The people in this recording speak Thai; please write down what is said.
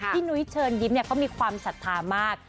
ที่นุ้ยเชินยิ้มเนี้ยเราก็มีความสัทธามาก